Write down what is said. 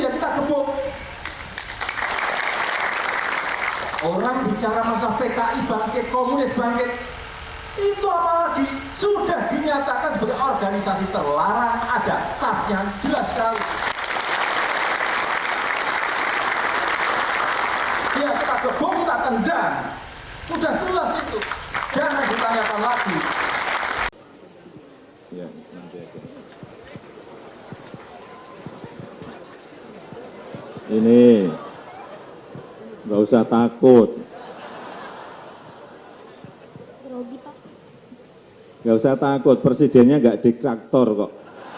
gak usah takut presidennya gak diktator kok